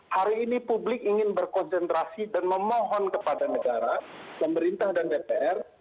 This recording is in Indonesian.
hari ini publik ingin berkonsentrasi dan memohon kepada negara pemerintah dan dpr